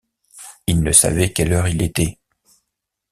Il ne savait quelle heure il était.